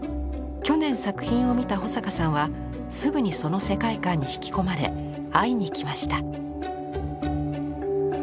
去年作品を見た保坂さんはすぐにその世界観に引き込まれ会いに行きました。